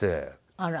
あら。